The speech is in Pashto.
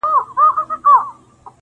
اوس جهاني لکه یتیم په ژړا پوخ یمه نور.!